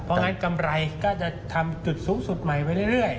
เพราะงั้นกำไรก็จะทำจุดสูงสุดใหม่ไปเรื่อย